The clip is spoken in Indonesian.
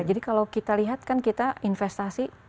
jadi kalau kita lihat kan kita investasi